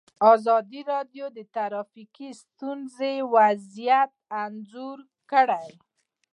ازادي راډیو د ټرافیکي ستونزې وضعیت انځور کړی.